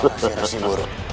terima kasih rasul guru